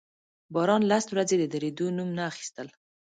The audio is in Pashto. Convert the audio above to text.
باران لس ورځې د درېدو نوم نه اخيستل.